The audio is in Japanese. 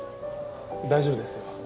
大丈夫ですよ。